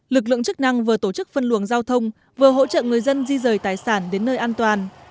lực lượng chức năng vừa tổ chức phân luồng giao thông vừa hỗ trợ người dân di rời tài sản đến nơi an toàn